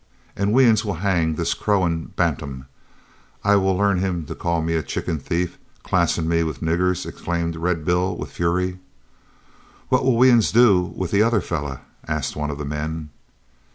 "An' we uns will hang this crowin' bantam. I will learn him to call me a chicken thief, classin' me with niggers!" exclaimed Red Bill, with fury. "What will we uns do with the other feller?" asked one of the men.